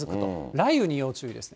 雷雨に要注意です。